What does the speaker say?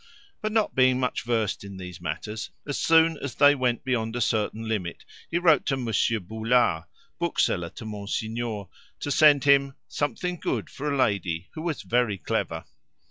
But not being much versed in these matters, as soon as they went beyond a certain limit he wrote to Monsieur Boulard, bookseller to Monsignor, to send him "something good for a lady who was very clever."